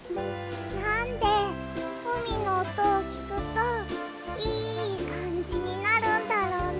なんでうみのおとをきくといいかんじになるんだろうね。